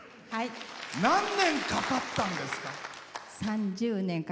何年かかったんですか？